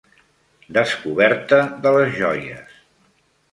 Descoberta de les joies!